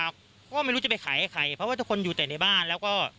เพราะว่าไม่รู้จะไปขายให้ใครเพราะว่าทุกคนอยู่แต่ในบ้านแล้วก็